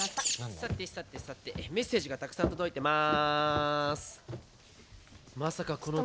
さてさてさてメッセージがたくさん届いてます！